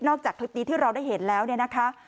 จากคลิปนี้ที่เราได้เห็นแล้วเนี่ยนะคะ